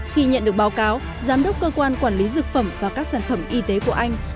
khi nhận được báo cáo giám đốc cơ quan quản lý dược phẩm và các sản phẩm y tế của anh